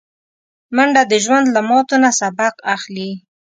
منډه د ژوند له ماتو نه سبق اخلي